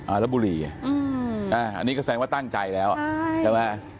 อ่าแล้วบุหรี่อืมอันนี้ก็แสดงว่าตั้งใจแล้วใช่ใช่ไหม